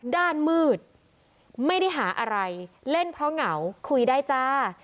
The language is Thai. ด้านมืดไม่ได้หาอะไรเล่นเพราะเหงาคุยได้จ้า